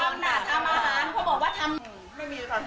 น่าทำอาหารเพราะบอกว่าทำไม่มี